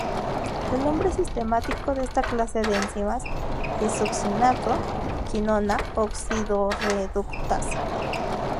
El nombre sistemático de esta clase de enzimas es succinato:quinona oxidorreductasa.